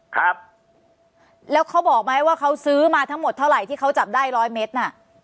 ครับแล้วเขาบอกไหมว่าเขาซื้อมาทั้งหมดเท่าไหร่ที่เขาจับได้ร้อยเม็ดน่ะ